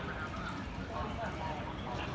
อันที่สุดท้ายก็คือภาษาอันที่สุดท้าย